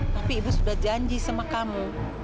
tapi ibu sudah janji sama kamu